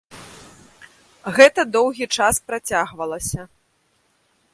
Гэта доўгі час працягвалася.